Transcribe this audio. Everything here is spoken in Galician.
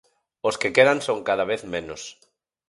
Os que quedan son cada vez menos.